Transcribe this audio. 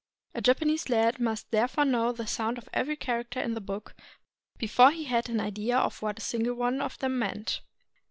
A Japanese lad must therefore know the sound of every character in the book before he had an idea of what a single one of them meant.